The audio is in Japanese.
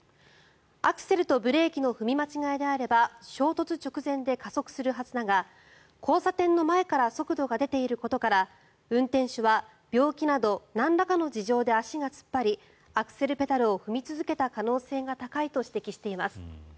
アクセルとブレーキの踏み間違えであれば衝突直前で加速するはずだが交差点の前から速度が出ていることから運転手は、病気などなんらかの事情で足が突っ張りアクセルペダルを踏み続けた可能性が高いと指摘しています。